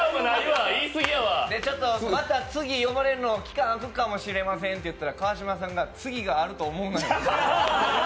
また次呼ばれるの、期間空くかもしれませんと言われたとき川島さんが、次があると思うなよって。